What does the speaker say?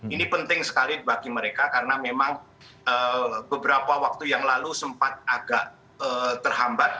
ini penting sekali bagi mereka karena memang beberapa waktu yang lalu sempat agak terhambat